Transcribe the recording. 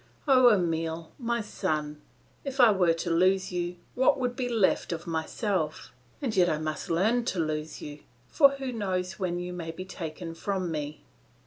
Oh, Emile! my son! if I were to lose you, what would be left of myself? And yet I must learn to lose you, for who knows when you may be taken from me?